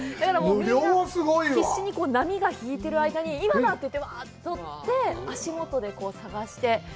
みんな必死に、波が引いてる間に今だっていって、わあって取って、足元で探して。